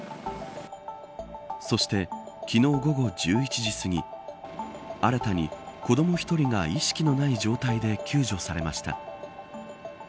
そして、昨日午後１１時すぎ新たに、子ども１人が意識のない状態で救助されました。